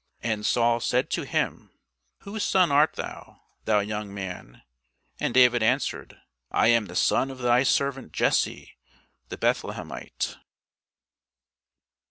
And Saul said to him, Whose son art thou, thou young man? And David answered, I am the son of thy servant Jesse the Bethlehemite.